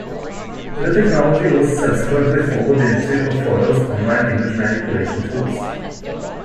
The technology was subsequently folded into Ofoto's online image manipulation tools.